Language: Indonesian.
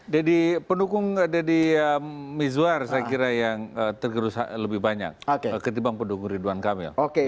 jadi pendukung deddy mizwar saya kira yang tergerus lebih banyak ketimbang pendukung ridwan kamil